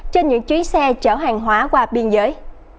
trên những chuyến xe chở hàng hóa qua biên giới